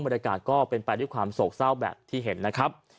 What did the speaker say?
บรรยากาศก็เป็นแปดด้วยความโศกเศร้าแบบที่เห็นนะครับ